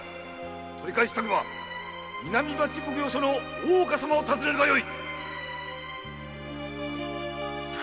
取り返したくば南町奉行所の大岡様を訪ねるがよい！